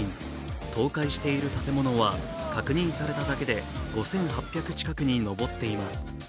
倒壊している建物は確認されただけで５８００近くに上っています。